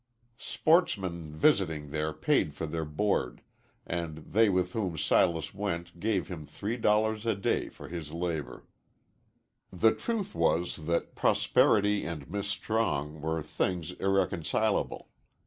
Sportsmen visiting there paid for their board, and they with whom Silas went gave him three dollars a day for his labor. The truth was that prosperity and Miss Strong were things irreconcilable.